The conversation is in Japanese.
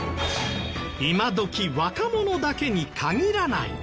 今どき若者だけに限らない。